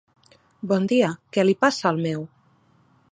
Bon dia, què li passa al meu?